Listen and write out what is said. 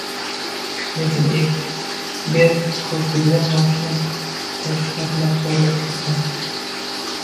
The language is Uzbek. Lekin Egbert ko`prikda moshina-poshina bilan portlab ketgan